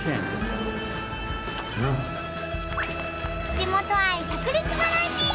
地元愛さく裂バラエティー！